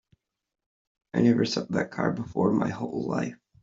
I never saw that car before in my whole life.